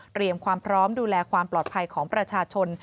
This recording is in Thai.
ความพร้อมดูแลความปลอดภัยของประชาชน